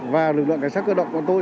và lực lượng cảnh sát cơ động của tôi